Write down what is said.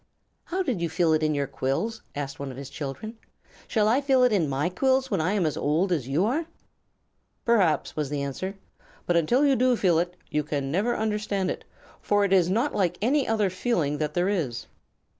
"How did you feel it in your quills?" asked one of his children. "Shall I feel it in my quills when I am as old as you are?" "Perhaps," was the answer. "But until you do feel it you can never understand it, for it is not like any other feeling that there is."